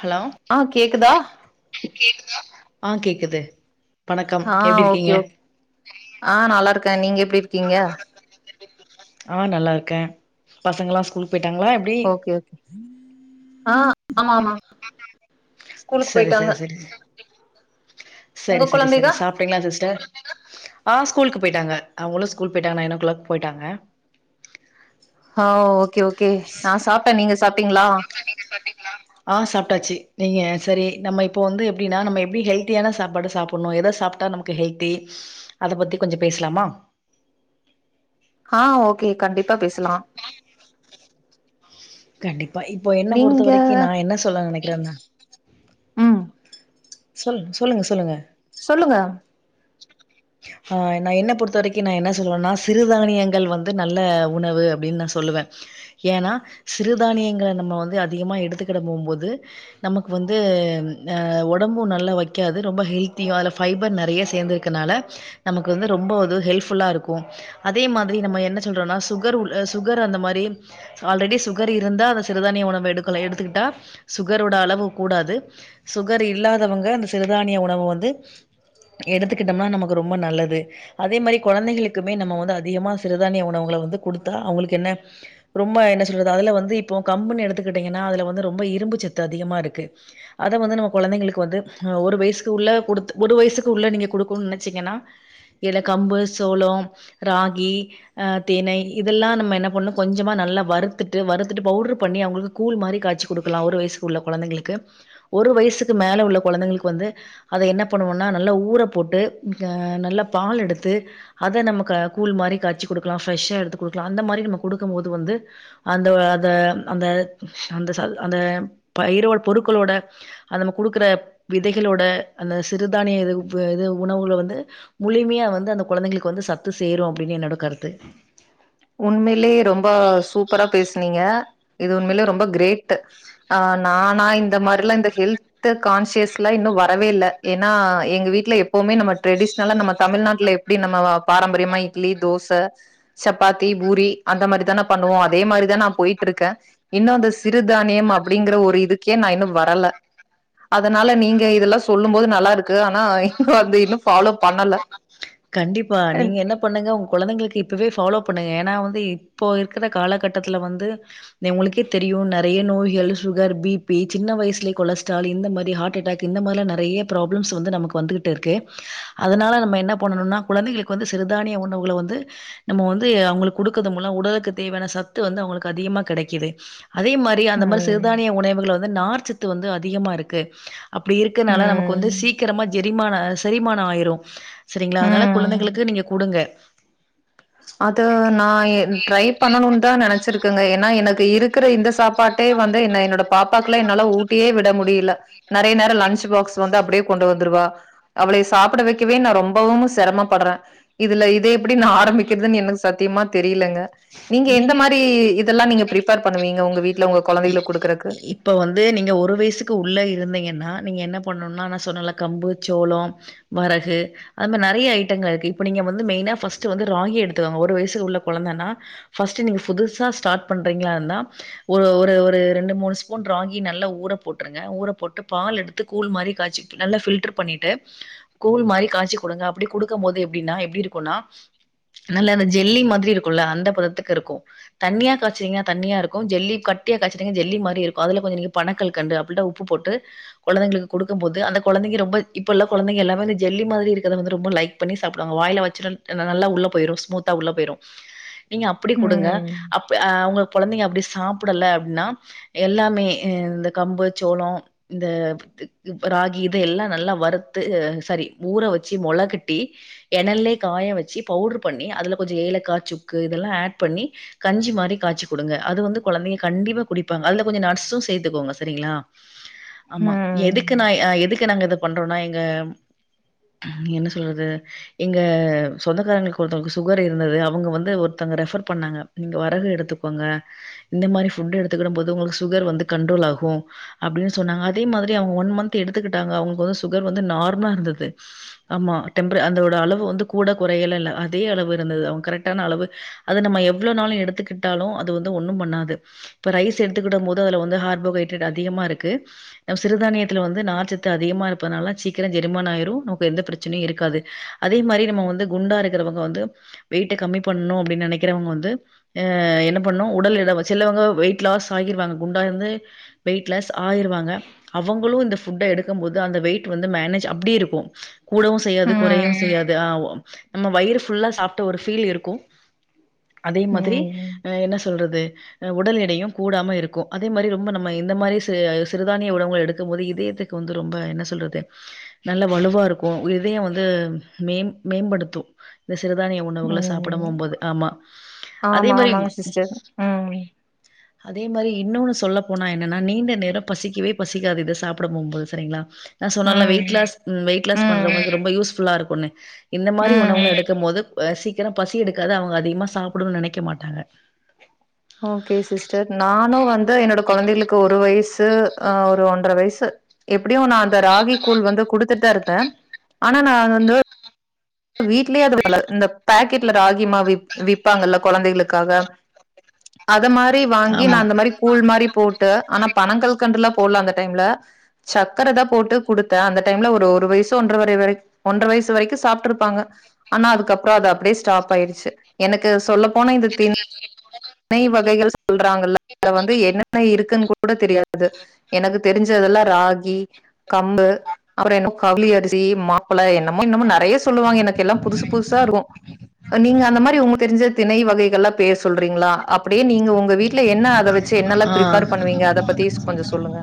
Hello ஆ கேக்குதா ஆ கேக்குது வணக்கம் ஆ எப்டி இருக்கீங்க ஓகே ஓகே ஆ நல்லாருக்க நீங்க எப்டி இருக்கிங்க ஆ நல்லாருக்கே பசங்கெலா ஸ்கூலுக் போய்ட்டாங்ளா எப்டி ஓகே ஓகே ஆ ஆமா ஸ்கூலுக்கு சரி போயிட்டாங்க சரி சரி உங்க சரி சரி குழந்தைக சரி சாப்பிட்டீங்களா சிஸ்டர் குழந்தைக ஆஹ ஸ்கூலுக்கு போயிட்டாங்க அவங்களு ஸ்கூல் போயிட்டாங்க நைன் ஓ கிளாக் போயிட்டாங்க ஆ ஓகே ஓகே நான் சாப்டேன் நீங்க சாப்டீங்களா ஆ சாப்பிட்டாச்சு நீங்க சேரி நம்ம இப்போ வந்து எப்படின்னா நம்ம எப்படினா ஹெல்த்தியான சாப்பாடு சாப்பிடணு எத சாப்பிட்டா நமக்கு ஹெல்தி அத பத்தி கொஞ்சோ பேசலாமா ஆ ஓகே கண்டிப்பா பேசலா கண்டிப் பா இப்போ என்ன பொறுத்த நீங்க வரைக்கு நான் என்ன சொல்ல நினைக் [unintelligible] ங்க ம் சொல் சொல்லுங்க சொல்லுங்க சொல்லுங்க ஆ நான் என்ன பொறுத்த வரைக்கு நான் என்ன சொல்லுவேன்னா சிறுதானியங்கள் வந்து நல்ல உணவு அப்படின்னு நான் சொல்லுவேன் ஏன்னா சிறுதானியங்கள நம்ம வந்து அதிகமா எடுத்துக்கிட போம்போது நமக்கு வந்து அ உடம்பு நல்லா வைக்காது ரொம்ப ஹெல்த்தியா அதுல ஃபைபர் நிறைய சேர்ந்திருக்கறதனால நமக்கு வந்து ரொம்ப உத ஹெல்ஃபுல்லா இருக்கும் அதே மாதிரி நம்ம என்ன சொல்றோம்னா சுகர் உள்ள சுகர் அந்த மாதிரி ஆல்ரெடி சுகர் இருந்தா அந்த சிறுதானிய உணவ எடுக்கலா எடுத்துக்கிட்டா சுகரோட அளவு கூடாது சுகர் இல்லாதவங்க அந்த சிறுதானிய உணவ வந்து எடுத்துக்கிட்டம்னா நமக்கு ரொ ரொம்ப நல்லது அதே மாரி குழந்தைங்களுக்குமே நம்ம வந்து அதிகமா சிறுதானிய உணவுங்கள வந்து குடுத்தா அவங்களுக்கு என்ன ரொம்ப என்ன சொல்றது அதுல வந்து இப்போ கம்புனு எடுத்துக்கிட்டீங்கன்னா அதுல வந்து ரொம்ப இரும்பு சத்து அதிகமா இருக்கு அத வந்து நம்ம குழந்தைங்களுக்கு வந்து ஒரு வயசுக்கு உள்ள கொடுத்து ஒரு வயசுக்குள்ளே நீங்க கொடுக்கோனு நினைச்சீங்கன்னா இல்ல கம்பு சோளம் ராகி அ தினை இதெல்லா நம்ம என்ன பண்ணு கொஞ்சமா நல்லா வறுத்துட்டு வறுத்துட்டு பவுடர் பண்ணி அவங்களுக்கு கூழ் மாரி காய்ச்சு குடுக்கலா ஒரு வயசுக்கு உள்ள குழந்தைங்களுக்கு ஒரு வயசுக்கு மேல உள்ள குழந்தைங்களுக்கு வந்து அதை என்ன பண்ணுவோம்னா நல்லா ஊற போட்டு உம் நல்லா பால் எடுத்து அத நம்ம கூழ் மாரி காய்ச்சி குடுக்கலா ஃப்ரெஷ்ஷா எடுத்து குடுக்கலா அந்த மாரி நம்ம குடுக்கும் போது வந்து அந்த அந்த அந்த அந்த அந்த பயிரோ பொருட்களோட அது நம்ம குடுக்குற விதைகளோட அந்த சிறுதானிய இது உவ்வு உணவுகள்ள வந் து முழுமையா வந்து அந்த குழந்தைங்களுக்கு வந்து சத்து சேரும் அப்படின்னு என்னோட கருத்து உண்மையிலயே ரொம்ப சூப்பரா பேசுனீங்க. இது உண்மையிலே ரொம்ப கிரேட் ஆ நான் நான் இந்த மாரியெல்லா இந்த ஹெல்த் கான்சியஸ்ல இன்னும் வர வரவே இல்ல ஏன்னா எங்க வீட்ல எப்பவுமே நம்ம ட்ரெடிஸ்னலா நம்ம தமிழ்நாட்ல எப்டி நம்ம பாரம்பரியமா இட்லி தோச சப் பாத்தி பூரி அந்த மாரி தான பண்ணுவோ அதே மாரிதா நா போயிட்ருக்கே இன்னு அந்த சிறுதானியம் அப்படிங்கிற ஒரு இதுக்கே நா இன்னு வரல அதனால நீங்க இதெல்லா சொல்லும் போது நல்லாருக் க்கு கண்டிப்பா நீங்க என்ன பண்ணுங்க உங் கொழந்தைங்ளுக்கு இப் இப்பவே ஃபாலோ பண்ணுங்க ஏன்னா வந்து இப்போ இருக்கிற காலகட்டத்துல வந்து உங்களுக்கே தெரியு நெறைய நோய்கள் சுகர் பி பி சின்ன வயசுலே கொலஸ்ட்ரால் இந்த மாரி ஹாட் அட்டேக் இந்த மார்லா நெறைய ப்ராப்ளம்ஸ் வந்து நமக்கு வந்துகிட்டு இருக்கு அதனால நம்ம என்ன பண்ணனுனா குழந்தைகளுக்கு வந்து சிறுதானிய உணவுகள வந்து நம்ம வந்து அவங்களுக்கு குடுக்கது மூல உடலுக்கு தேவையான சத்து வந்து அவங்களுக்கு அதிகமா கெடைக்குது அதே மாரி ம் அந்த மாரி சிறுதானிய உணேவுகள வந்து நார்ச்சத் து வந்து அதிகமா இருக்கு அப்படி இருக்கனால நமக்கு வந்து ம் சீக்கரமா செரிமான செரிமானோ ஆயிரும் சரிங்களா அதனால ம். குழந்தைகளுக்கு நீங்க குடுங்க அது நான் என் ட்ரை பண்ணணுன் தா நெனச்சிருக்குங்க ஏன்னா எனக்கு ப்ப இருக்குற இந்த சாப் பாட்டே வந்து என்ன என்னோட பாப்பாக்குல்லா என்னால ஊட்டியே விட முடியில நறைய நேரோ லன்ச் பாக்ஸ் வந்து அப்புடே கொண்டு வந்துருவா அவளே சாப்புட வைக்கவே நா ரொம்பவும்மு செரமப்படுறேன் இதுல இதே எப்புடி நா ஆரம்பி கிருதுன்னு எனக்கு சத்தியமா தெரிலங்க நீங்க எந்த மாரி இதல்லா நீங்க பிரிப்பேர் பண்ணுவீங்க உங்க வீட்ல உங்க இ குழந்தைகளுக்கு குடுக்கறக்கு? இப்ப வந்து நீங்க ஒரு வயசுக்கு உள்ள இருந்தீங்கன்னா நீங் என்ன பண்ணணுன்னா நா சொன்னல கம்பு, சோளோம், வரகு அந்த நறைய ஐட்டங்க இருக்கு இப்ப வந்து நீங்க மெயினா ஃபர்ஸ்ட்டு வந்து ராகி எடுத்துங்க ஒரு வயிசுக்கு உள்ள கொழந்தன்னா ஃபர்ஸ்ட் நீங்க புதுசா ஸ்டாட் பன்றீங்களா இருந்தா ஒரு ஒ ல்லது ஒரு ரெண்டு மூனு ஸ்பூன் ராகி நல்லா ஊற போற்றுங்க, ஊற போட்டு பால் எடுத்து கூல் மாரி காய்ச்சிட்டு, நல்லா ஃபில்ட்ர் பண்ணிட்டு, கூல் மாரி காய்ச்சி குடுங்க அப்புடி குடுக்கம்போது எப்புடின்னா, எப்டி இருக்குன்னா, நல்லா அந்த ஜெல்லி மாதிரி இருக்குல்ல, அந்த பதத்துக்கு இருக்கும் தண்ணியா காய்ச்சீங்க தண்ணியா இருக்கும், ஜெல்லி கட் ட்டிய காய்ச்சிடிங்க ஜெல்லி மாரி இருக்கும் அதுல கொஞ்ச நீங்க பணக் கல்கண்டு அப்புல்டா உப்பு போட்டு குழந்தைங்களுக்கு குடுக்கும் போது அந்த குழந்தைங்க ரொம்ப இப்ப உள்ள குழந்தைங்க எல்லாமே அந்து ஜல்லி மாதிரி இருக்கத வந்து ரொம்ப லைக் பண்ணி சாப்புடுவங்க வாய்ல வச்சு நல் அது நல்லா உள்ள போயிரும் ஸ்மூத்தா உள்ள போயிரும் நீங்க அப்புடி குடுங்க ம். அப் ப்பே அவங்க குழந்தைங்க அப்புடி சாப் ப்புடல அப்புட்ன்னா எல்லாமே இந்த கம்பு, சோளோ இந்த இப்ப ராகி இத எல்லா நல்லா வறுத்து சாரி ஊற வச்சு மொளகட்டி எனல்லே காய வச்சு பவுடர் பண்ணி அதுல கொஞ்சம் ஏலக்காய் சுக்கு இதெல்லாம் ஆட் பண்ணி கஞ்சி மாரி காய்ச்சி குடுங்க அது வந்து குழந்தையங்க கண்டிப்பா குடிப்பாங்க அதுல கொஞ்சம் நட்ஸும் சேர்த்துக்கோங்க சரிங்களா ஆமா எதுக்கு நா ம். ஆ எதுக் த்த நாங்க இது பண்றோன்னா எங்க என்ன சொல்றது எங்க சொந்தக்காரங்களுக்கு ஒருத்தவங்களுக்கு சுகர் இருந்தது அவங்க வந்து ஒருத்தங்க ரெபர் பண்ணாங்க நீங்க வரகு எடுத்துக்கோங்க இந்த மாரி ஃபுட்டு் எடுத்துக்கிடும் போது உங்களுக்கு சுகர் வந்து கண்ட்ரோல் ஆகும் அப்புடின்னு சொன்னாங்க அதே மாதிரி அவங்க ஒன் மந்த் எடுத்துக்குட்டாங்க அவங்களுக்கு வந்து சுகர் வந்து நார்மலா இருந்துது ஆமா டெப்ரர் அதோட அளவு வந்து கூட குறையலல்ல அதே அளவு இருந்தது அவங்க கரெக்டான அளவு அது நம்ம எவ்வளோ நாளும் எடுத்துக்கிட்டாலும் அது வந்து ஒன்னும் பண்ணாது து இப்ப ரைஸ் எடுத்துக்கிட்ட போது அதுல வந்து ஹார்போஹைட்ரேட் அதிகமா இருக்கு அ சிறுதானியத்துல வந்து நார் சத்து அதிகமா இருப்பனால சீக்கிரம் செரிமானோ ஆயிரும் நமக்கு எந்த பிரச்சனையும் இருக்காது அதே மாரி நம்ம வந்து குண்டா இருக்கவங்க வந்து வெயிட்ட கம்மி பண்ணூ அப்புடின்னு நெனைக்குறவங்க வந்து அ என்ன பண்ணும் உடல் எட வ சிலவங்க வெயிட் லாஸ் ஆகிருவாங்க குண்டா இருந்து வெயிட் லாஸ் ஆயிருவாங்க அவங்களும் இந்த ஃபுட்ட எடுக்கும் போது அந்த வெயிட் வந்து மேனேஜ் அப்புடி இருக்கும் கூடவும் செய்யாது குறையவும் ம். செய்யாது ஆ உ நம்ம வயிறு ஃபுல்லா சாப்ட்ட ஒரு ஃபீல் இருக்கும் அதே மாதிரி ம். ஆ என்ன ஸ் சொல்றது அ உடல் எடையும் கூடாம இருக்கும் அதே மாரி ரொம்ப நம்ம இந்த மாரி ச சிறுதானிய உணவுகள எடுக்கும் போது இதயத்துக்கு வந்து ரொம்ப என்ன சொல்றது நல்ல வலுவா இருக்கும் உ இதயம் வந்து மேம் மேம்படுத்தும் தஸ் சிறுதானிய உணவுகுள சாப்புட ம். போம்போது ஆமா அதே ஆமா, மாரி ஆமாங்க சிஸ்டர். ம். அதே மாரி இன்னொன்னு சொல்ல போனா என்னன்னா நீண்ட நேரம் பசிக்கவே பசிக்காது இத சாப்புட போம்போது சரிங்களா ஆ சொன்னல்லா ம். வெயிட்லாஸ் ம் வெயிட் லாஸ் ம். பண்றவங்களுக்கு ரொம்ப யூஸ்ஃபுல்லா இருக்குன்னு இந்த மாரி ம். உணவுகள எடுக்கும் போது அ சீக்கிரம் பசி எடுக்காது அவங்க அதிகமா சாப்புடனுன்னு நொனைக்க மாட்டாங்க ஓகே சிஸ்டர் நானும் வந்து என்னோட குழந்தைகளுக்கு ஒரு வயசு து அ ஒரு ஒன்ர வயசு எப் ப்படியும் நா அந்த ராகி கூழ் வந்து குடுத்துட் இருக் தே ஆனா நா வந்து வீட்லயே [unintelligible] இந்த பாக்கெட்ல ராகிமாவு விப் விப்பாங்கல்ல குழந்தைகளுக்காக அத மா போயி வாங்கி நா ஆமா. அந்த மாரி கூழ் மாரி போட்டு ஆனா பணங்கள்கண்டுல்லா போட்லா அந்த டைம்ல சக்கர தா போட்டு குடுத்த அந்த டைம்ல ஒரு ஒரு வய்சோ ஒன்றரைறரை ஒன்ற வய்சு வரைக்கு சாப்ட்டுரு ப்பாங்க ஆனா அதுக்கப்றோ அது அப்டே ஸ்டாப் ஆய்டுச்சு எனக்கு சொல்ல போன இந்த தின் ணெய் வகைகள் சொல்றாங்கல [inaudible] வந்து என்னெ இருக்குன் கூட தெரியாது எனக்கு தெரிஞ்சதெல்லா ராகி கம்பு அப்றோ என்னோ கவுலி அரிசி தி மாப்பிள்ள என்னமோ இன்னமு நெறைய சொ ல்வாங்க எனக்கு எல்லா புதுசு புதுசா இருக்கோ இப் நீங்க அந்த மாரி உங்க தெரிஞ்சது திணை வகைகளல்லா பேர் சொல்றீங்ளா அப்டே நீங்க உங்க வீட்ல என்ன அ அ [inaudible] கொஞ்சோ சொல்லுங்க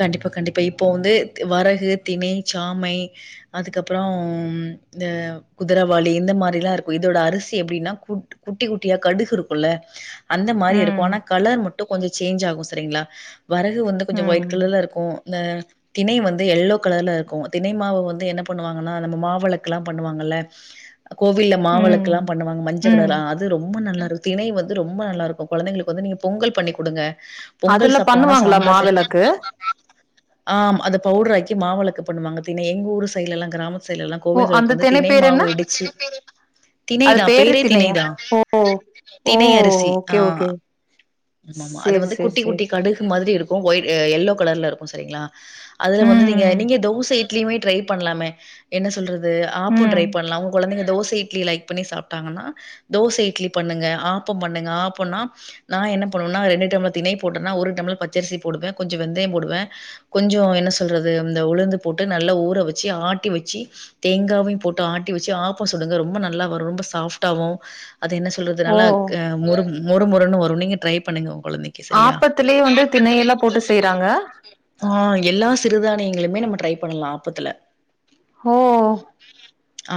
கண்டிப்பா கண்டிப்பா இப் இப்போ வந்து வரகு திணை சாமை அதுக்கப்புறோ ம் இந்த குதிரவாளி இந்த மாரி லா இருக்கு இதோட அரிசி எப்டினா குட் குட்டி குட்டியா கடுகு இருக்குல அந்த மாரி இருக்கு ம் ஆனா கலர் மட்டு கொஞ்சு சேஞ்ச் ஆகு சரிங்ளா வரகு வந்து கொஞ்சோ ஒய்ட் ம் கலர்ல இருக்கோ இந்த திணை வந்து எல்லோ கலர்ல இருக்கோ தினை மாவு வந்து என்ன பண்ணுவாங்கன்னா நம்ம மாவளக்குலா பண்ணுவாங்கல்ல அ கோவில ம் மாவளக்குலா பண்ணுவாங்க மஞ் ச ம் கலர்ல அ அது ரொம்போ நல்லா இருக்கு திணை வந்து ரொம்ப ரொம்ப நல்லாருக்கோ கொழந்தைங்களுக்கு வந்து நீங்க பொங்கல் பண்ணி குடுங்க பொங்கல் அதுல சாப்ட்டாங்கன்னா பண்ணுவாங்ளா சாம்பார் சட் மாவெளக்கு ஆம் அத பவுட்ராக்கி மாவளக்கு பண்ணுவாங்க தினை எங் ஊர் சைட்லலா கிராமத் த் சைட்லலா ஓ கோவில்களுக்கு அந்த வந்து திணை தினை பேர் என்ன மாவு இடிச்சி தினை அது தா பேரு பேரே தினை திணையா தா ஓ [inaudible] ஓ தினை அரி சி ஆ ஓகே ஓகே ஆமாமா அது சேரி வந்து சேரி குட்டி சேரி குட்டி கடுகு மாதிரி இருக் கோ ஒய்ட் அ எல்லோ கலர்ல இருக்கோ சரிங்ளா அதுல வந்து நீங்க ம் நீங்க தோசை இட்லிமே பண்ணலாமே என்ன சொல்ற து ஆப்போ ம் ட்ரை பண்லா உங் கொழந்தைங்க தோச இட்லி லைக் பண்ணி சாப்ட்டாங்கன்னா தோச இட்லி பண்ணுங்க ஆப்போ பண் ணுங்க ஆப்பொனா நா என்ன பண்ணுவுனா ரெண்டு டம்ளர் தினை போட்டேன்னா ஒரு டம்ளர் பச்சரிசி போடுவே கொஞ்சு வெந்தய போடுவே கொஞ்சு என்ன சொல்றது ம் இந்த உளுந்து போட்டு நல்லா ஊற வெச்சு ஆட்டி வெச்சி தேங்காவ்யு போட்டு ஆட்டி வெச்சி ஆப்போ சுடுங்க ரொம்ப நல்லா வரு ரொம்ப சாஃப்டாவு அது என்ன சொல்றது ஓ நல்லா மொறும் மொறு மொறுன்னு வரு நீங்க ட்ரை பண்ணுங்க உ கொழந்தைக்கு செரியா ஆப்பத்திலயே வந்து திணையெல்லா போட்டு செய்றாங்க [unintelligible] ஆ எல்லா சிறுதானியங்க்ளி மே நம்ம ட்ரை பண்லா ஆப்பத்துல ஒ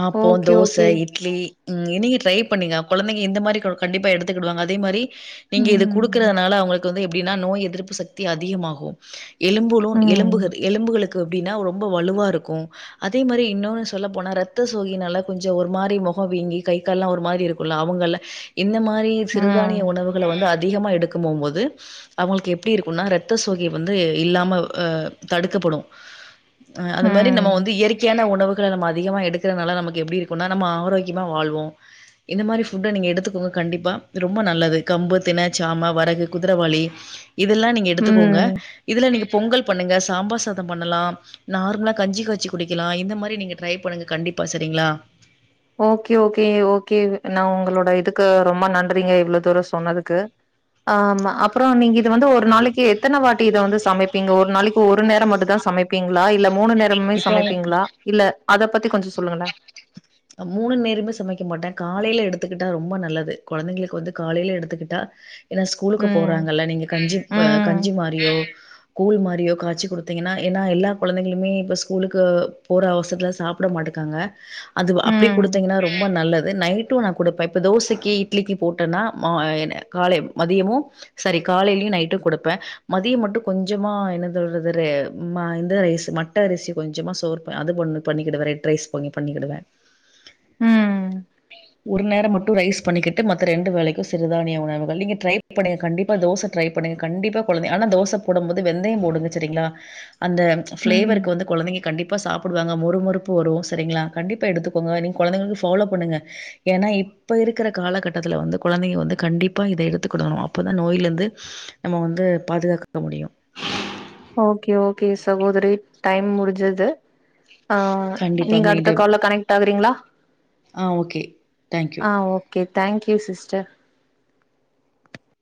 ஆப்போ தோச இட்லி ம் இனியு ட்ரை பண்ணுங்க கொழந்தைங்க இந்த மாரி கோ கண்டிப்பா எடுத்துக்கிடுவாங்க அதே மாரி நீங்க இது ம் குடுக்குறதுனால அவுங்குளுக் வந்து எப்டினா நோய் எதிர்ப்பு சக்தி அதிகமாகு எலும்புலோ ம் எலும்புகது எலும்புகளுக் கு அப்டின்னா ரொம்ப வலுவா இருக்கு அதே மாரி இன்னொன்னு சொல்ல போனா ரத் த சோகினால கொஞ்ச ஒரு மாரி மொகோ வீங்கி கை கால்ல ஒரு மாரி இருக்குல அவங்கல இந்த மாரி ரி ம் சிறுதானிய உணவுகள வந்து அது திகமா எடுக்குமோமோது அவுங்குள்க்கு எப்டி இருக்குனா இரத்த சோகை வந்து இல்லாம அ தடுக்கப்படு அ அது மாரி நம்ம ம் வந்து இயற்கையான உணவுகள நம்ம அ திகமாக எடு குறனால நமக்கு எப்டி இருக்குனா நம்ம ஆரோக்கியமா வாழ்வோ இந்த மாரி ஃபுட் நீங்க எடுத்துக்கோங்க கண்டிப்பா ரொம்ப நல்லது கம்பு தினை சாம வரகு குதிரைவாளி இதெல்லா நீங்க எடுத்துக்கோங்க ம் இதுல நீங்க பொங்கல் பண்ணுங்க சாம்பார் சாத பண்ணலா நார்மலா கஞ்சி காச்சி குடிக்கலா இந்த மாரி நீங்க ட்ரை பண்ணுங்க கண்டிப்பா பா சரிங்ளா ஓகே ஓகே ஓகே இது நா உங்களோட இதுக்கு ரொம்ப நன்றிங்க இவ்வளவு தூர சொன்னதுக்கு அம் அப்புற நீங்க இது வந்து ஒரு நாளக்கி எத்தன வாட்டி இத வந்து சமைப்பீங்க ஒரு நாளக்கு ஒரு நேர மட்டு தா சமைப்பீங்ளா இல்ல மூணு நேரமே இப்போ சமைப்பீங்ளா இல்ல அத பத்தி கொஞ்ச சொல்லுங்கள அ மூணு நேரமே சமைக்க மாட்ட காலைல எடுத்துக்குட்டா ரொம்ப நல்லது குழந்தைங்களுக்கு வந்து காலைல எடுத்துக்குட்டா ஏன்னா ஸ்கூலுக்கு ம் போறாங்கல்ல நீங்க கஞ்சி ப ம் கஞ்சி மாரியோ கூழ் மாரியோ காய்ச்சி குடுத்தீங்கன்னா ஏன்னா எல்லா குழந்தைகளுமே இப்ப ஸ்கூலுக்கு போற அவசரத்துல சாப்புட மாட்டுக்காங்க அதுவ அப்டே ம் குடுத்தீங்கன்னா ரொம் ரொம்போ நல்லது நைட்டும் நான் குடுப்பேன் இப்போ தோசைக்கி இட்லிக்கி போட்டேன்னா மா என் காலை மதியமும் சாரி காலையிலயும் நைட்டும் குடுப்பேன் மதியம் மட்டும் கொஞ்சமா என்ன சொல்றது ரெ ம இந்த ரைஸு மட்ட அரிசி கொஞ்சமா சோறுப்பேன் அது பண்ண பண்ணிடுவேன் ரெட் ரைஸ் போங்கி பண்ணிக்கிடுவேன் ம் ஒரு நேரம் மட்டும் ரைஸ் பண்ணிக்கிட்டு மத்த ரெண்டு வேலைக்கும் சிறுதானிய உணவுகள் நீங்க ட்ரை பண்ணுங்க கண்டிப்பா தோசை ட்ரை பண்ணுங்க கண்டிப்பா குழந்தைங்க ஆனா தோசை போடும் போது வெந்தயம் போடுங்க சரிங்களா அந்த ம்ஹும் ஃப்ளேவருக்கு வந்து குழந்தைங்க கண்டிப் ப்பா சாப்புடுவாங்க மொறு மொறுப்பு வரும் சரிங்களா கண்டிப் ப்பா எடுத்துக்கோங்க நீங் கொழந்தைங்களுக்கு ஃபாலோ பண்ணுங்க ஏன்னா இப்ப இருக்கிற காலகட்டத்துல வந்து குழந்தைங்க வந்து கண்டிப்பா இதை எடுத்துக்கிடணும் அப்பதா நோய்லந்து நம்ம வந்து பாதுகாதுக்க முடியும் ஓகே ஓகே சகோதரி டைம் முடிஞ்சுது ஆ கண்டிப்பா கண்டிப்பா. நீங்க அடுத்த மீண்டும் கால்ல கனெக்ட் ஆகுறீங்களா ஆ ஓகே. Thank you. ஆ ஓகே தேங்க்யூ சிஸ்டர்